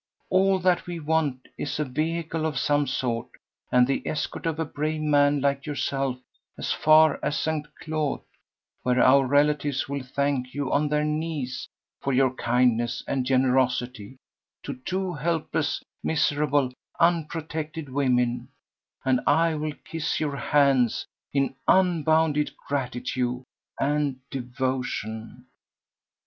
All that we want is a vehicle of some sort and the escort of a brave man like yourself as far as St. Claude, where our relatives will thank you on their knees for your kindness and generosity to two helpless, miserable, unprotected women, and I will kiss your hands in unbounded gratitude and devotion."